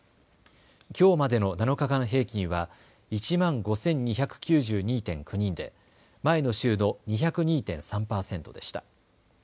きょうまでの７日間平均は１万５２９２．９人で前の週の２０２．３％でした。